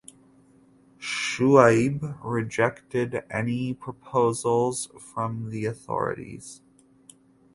Shuaib rejected any proposals from the authorities.